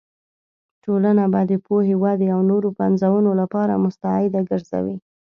ټولنه به د پوهې، ودې او نوو پنځونو لپاره مستعده ګرځوې.